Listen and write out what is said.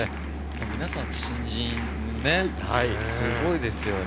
皆さん新人すごいですよね。